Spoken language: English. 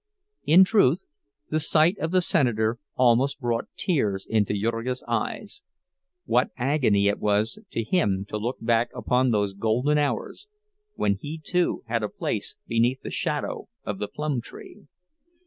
In truth, the sight of the senator almost brought the tears into Jurgis's eyes. What agony it was to him to look back upon those golden hours, when he, too, had a place beneath the shadow of the plum tree!